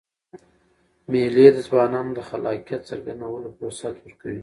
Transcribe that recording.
مېلې د ځوانانو د خلاقیت څرګندولو فرصت ورکوي.